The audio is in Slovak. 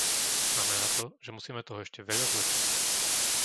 Znamená to, že musíme toho ešte veľa zlepšiť.